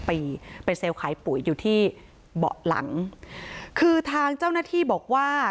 ปีเป็นเซลล์ขายปุ๋ยอยู่ที่เบาะหลังคือทางเจ้าหน้าที่บอกว่า